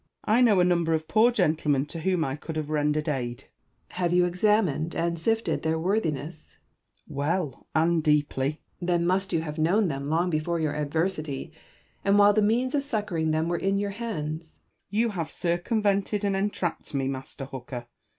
Bacon. I know a number of poor gentlemen to whom I could have rendered aid. Hooker. Have you examined and sifted their worthiness ^ Bacon. Well and deeply. Hooker. Then must you have known them long before your adversity, and while the means of succouring them were in your hands. Bacon. You have circumvented and entrapped me. Master Hooker.